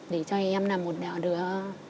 để cho em là một đứa